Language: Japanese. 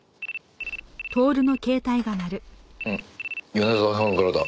米沢さんからだ。